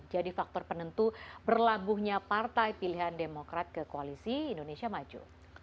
jadi faktor penentu berlabuhnya partai pilihan demokrat ke koalisi indonesia maju